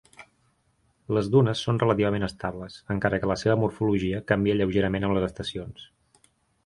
Les dunes són relativament estables, encara que la seva morfologia canvia lleugerament amb les estacions.